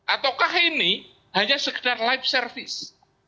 ataukah ini hanya sekedar life service